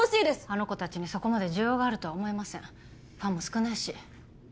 あの子達にそこまで需要があるとは思えませんファンも少ないし８